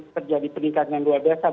terjadi peningkatan luar biasa